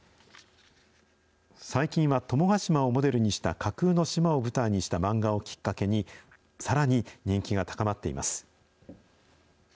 最近は友ヶ島をモデルにした架空の島を舞台にした漫画をきっかけに、さらに人気が高まっています。